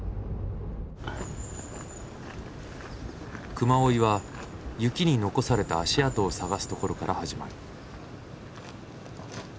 熊追いは雪に残された足跡を探すところから始まる。